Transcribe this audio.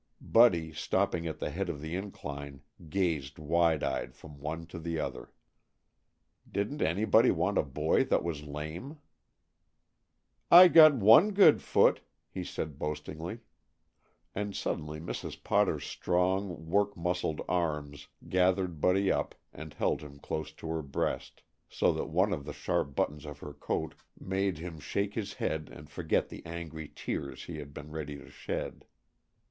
Buddy, stopping at the head of the incline, gazed, wide eyed from one to the other. Didn't anybody want a boy that was lame? "I got one good foot," he said boastingly. And suddenly Mrs. Potter's strong, work muscled arms gathered Buddy up and held him close to her breast, so that one of the sharp buttons of her coat made him shake his head and forget the angry tears he had been ready to shed.